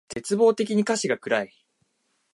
絶望的に歌詞が暗い